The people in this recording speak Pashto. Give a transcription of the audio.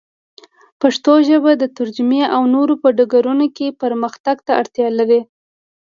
پښتو ژبه د ترجمې او نورو په ډګرونو کې پرمختګ ته اړتیا لري.